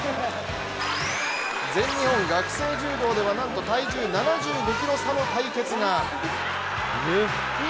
全日本学生柔道ではなんと体重７５ｋｇ差の対決が。